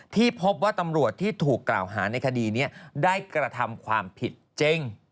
ที่พบว่าตำรวจที่ถูกกล่าวหาในคดีนี้ได้กระทำความผิดจริง